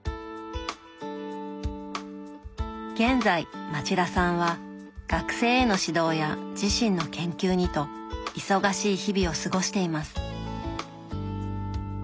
現在町田さんは学生への指導や自身の研究にと忙しい日々を過ごしています。